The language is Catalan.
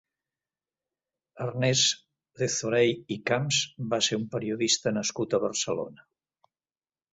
Ernest Dethorey i Camps va ser un periodista nascut a Barcelona.